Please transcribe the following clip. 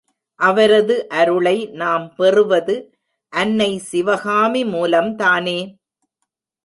அவரது அருளை நாம் பெறுவது, அன்னை சிவகாமி மூலம்தானே.